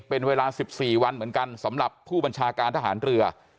เป็นเวลา๑๔วันเหมือนกันสำหรับผู้บัญชาการทหารเรือ